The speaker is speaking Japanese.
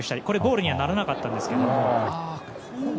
これはゴールにならなかったんですけど。